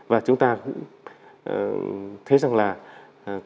và chúng ta cũng thấy rằng là cái biến đổi khí hậu